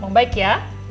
kamu baik ya